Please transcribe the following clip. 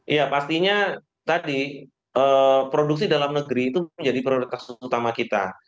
ya pastinya tadi produksi dalam negeri itu menjadi prioritas utama kita